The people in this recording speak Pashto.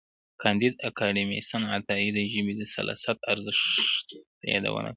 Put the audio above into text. کانديد اکاډميسن عطايي د ژبې د سلاست ارزښت یادونه کړې ده.